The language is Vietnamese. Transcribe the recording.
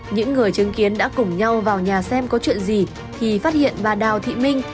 những người chứng kiến đã cùng nhau vào nhà xem có chuyện gì thì phát hiện bà đào thị minh